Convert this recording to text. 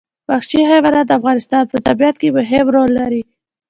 وحشي حیوانات د افغانستان په طبیعت کې مهم رول لري.